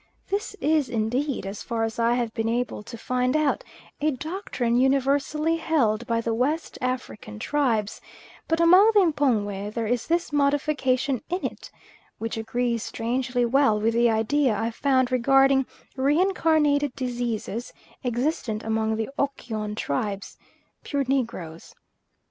This is indeed, as far as I have been able to find out, a doctrine universally held by the West African tribes, but among the M'pongwe there is this modification in it, which agrees strangely well with the idea I found regarding reincarnated diseases, existent among the Okyon tribes (pure negroes).